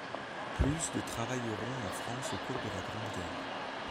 Plus de travailleront en France au cours de la Grande Guerre.